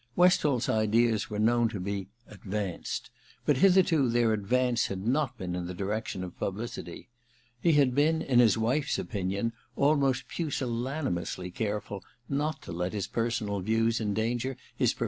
Westall's ideas were known to be * advanced,' but hitherto their advance had not been in the direction of publicity. He had been, in his wife's opinion, almost pusillanimously careful not to let his personal views endanger his pro .